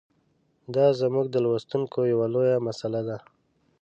دا زموږ د لوستونکو یوه لویه مساله ده.